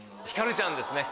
ひかるちゃんです。